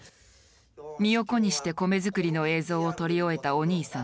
身を粉にして米作りの映像を撮り終えたお兄さん。